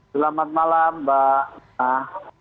selamat malam mbak nana